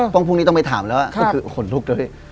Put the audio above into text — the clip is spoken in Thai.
พรุ่งนี้ต้องไปถามแล้วก็คือขนลุกเลย